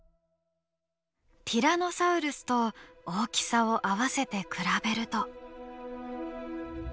ティラノサウルスと大きさを合わせて比べると。